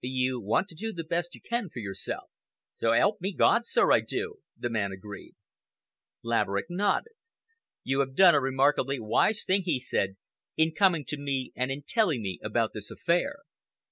"You want to do the best you can for yourself?" "So 'elp me God, sir, I do!" the man agreed. Laverick nodded. "You have done a remarkably wise thing," he said, "in coming to me and in telling me about this affair.